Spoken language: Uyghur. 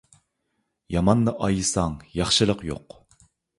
ياماننى ئايىساڭ ياخشىلىق يوق.